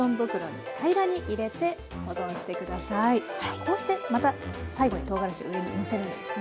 こうしてまた最後にとうがらしを上にのせるんですね。